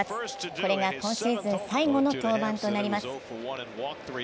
これが今シーズン最後の登板となります。